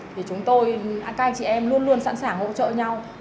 thì chúng tôi các anh chị em luôn luôn sẵn sàng hỗ trợ nhau